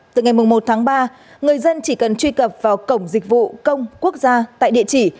từ ngày một tháng ba người dân chỉ cần truy cập vào cổng dịch vụ công quốc gia tại địa chỉ